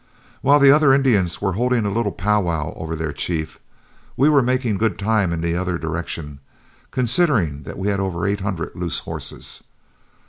While the other Indians were holding a little powwow over their chief, we were making good time in the other direction, considering that we had over eight hundred loose horses.